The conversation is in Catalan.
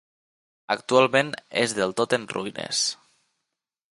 Actualment és del tot en ruïnes.